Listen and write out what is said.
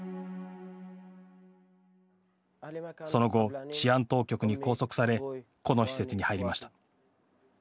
その後、治安当局に拘束されこの施設に入りました。